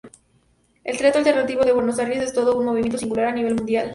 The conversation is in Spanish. El teatro alternativo de Buenos Aires es todo un movimiento singular a nivel mundial.